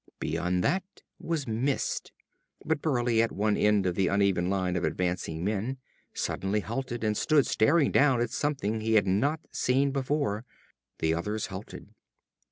Beyond that was mist. But Burleigh, at one end of the uneven line of advancing men, suddenly halted and stood staring down at something he had not seen before. The others halted.